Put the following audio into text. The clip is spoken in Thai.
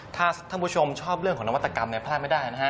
ถ้าท่านผู้ชมชอบเรื่องของนวัตกรรมเนี่ยพลาดไม่ได้นะฮะ